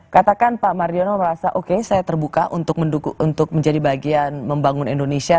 katakan pak mariono merasa oke saya terbuka untuk menjadi bagian membangun indonesia